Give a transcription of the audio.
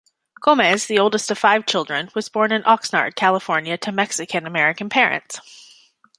Gomez, the oldest of five children, was born in Oxnard, California to Mexican-American parents.